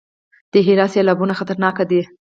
د هرات سیلابونه خطرناک دي